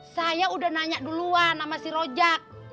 saya udah nanya duluan sama si rojak